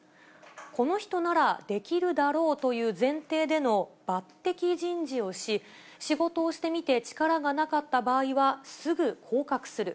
この人ならできるだろうという前提での抜てき人事をし、仕事をしてみて力がなかった場合はすぐ降格する。